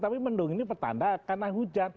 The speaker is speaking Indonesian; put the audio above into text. tapi mendung ini pertanda karena hujan